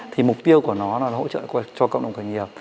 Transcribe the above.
thì mục tiêu của nó là hỗ trợ cho cộng đồng khởi nghiệp